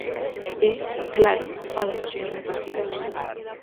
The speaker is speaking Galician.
E, claro, fala vostede de partidos.